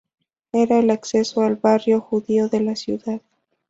Era el acceso al barrio judío de la ciudad.